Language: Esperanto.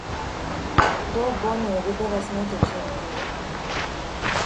Do, bone, vi devas meti ĝin tiel.